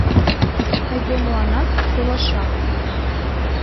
Айдемыланак, толаша.